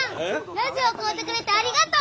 ラジオ買うてくれてありがとう！